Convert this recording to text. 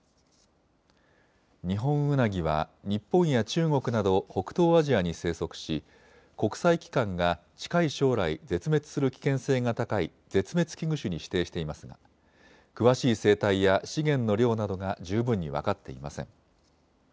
ニホンウナギは日本や中国など北東アジアに生息し国際機関が近い将来、絶滅する危険性が高い絶滅危惧種に指定していますが詳しい生態や資源の量などが十分に分かっていません。